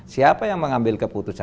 siapa yang mengambil keputusan